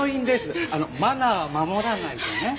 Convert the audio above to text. マナーは守らないとね。